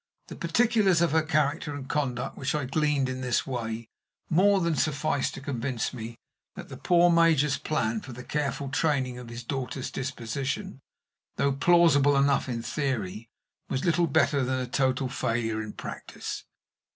The particulars of her character and conduct, which I gleaned in this way, more than sufficed to convince me that the poor major's plan for the careful training of his daughter's disposition, though plausible enough in theory, was little better than a total failure in practice.